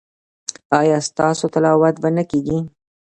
ایا ستاسو تلاوت به نه کیږي؟